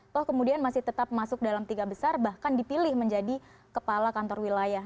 toh kemudian masih tetap masuk dalam tiga besar bahkan dipilih menjadi kepala kantor wilayah